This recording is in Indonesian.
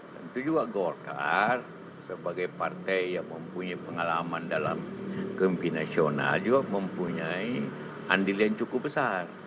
tentu juga golkar sebagai partai yang mempunyai pengalaman dalam kemimpinan nasional juga mempunyai andil yang cukup besar